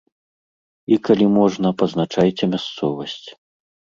І, калі можна, пазначайце мясцовасць.